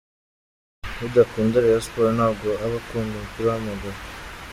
Yagize ati: “Udakunda Rayon Sports ntabwo aba akunda umupira w’amaguru.